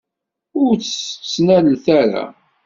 Ur tt-ttnalent ara.